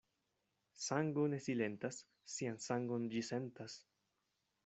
Sango ne silentas, sian sangon ĝi sentas.